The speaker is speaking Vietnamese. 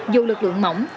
dù lực lượng mỏng